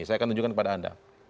saya akan tunjukkan kepada anda